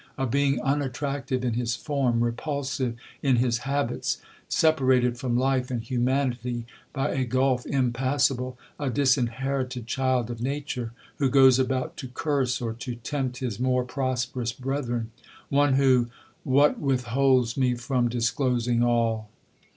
A being unattractive in his form, repulsive in his habits, separated from life and humanity by a gulph impassable; a disinherited child of nature, who goes about to curse or to tempt his more prosperous brethren; one who—what withholds me from disclosing all?'